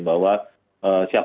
bahwa siapapun calon dia bisa masuk